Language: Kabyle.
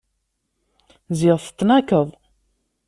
Ziɣ tetnakeḍ!